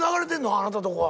あなたのとこは。